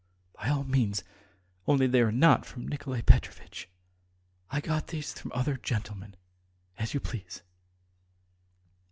"By all means. Only they are not from Nikolay Petrovitch. ... I got these from other gentlemen. As you please.